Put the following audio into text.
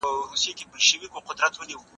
حقوقپوهان څنګه د روغتیا حق باوري کوي؟